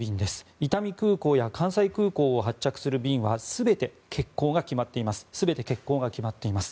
伊丹空港や関西空港を発着する便は全て欠航が決まっています。